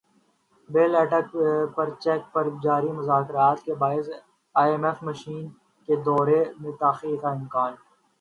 بیل out package پر جاری مذاکرات کے باعث ائی ایم ایف مشن کے دورے میں تاخیر کا امکان